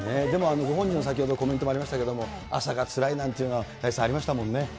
でもご本人の先ほど、コメントもありましたけど、朝がつらいなんていう、大地さん、ありましたもんね。